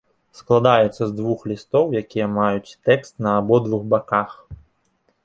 Складаецца з двух лістоў, якія маюць тэкст на абодвух баках.